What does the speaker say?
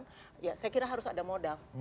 saya kira harus ada modal